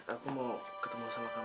aku mau ketemu sama kamu